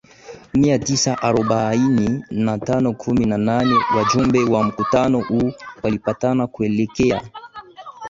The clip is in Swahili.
mia tisa arobaini na tano kumi na nane Wajumbe wa mkutano huu walipatana kuelekea